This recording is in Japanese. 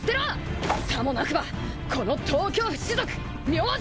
さもなくばこの東京府士族明神